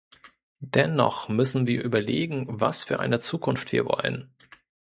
Dennoch müssen wir überlegen, was für eine Zukunft wir wollen.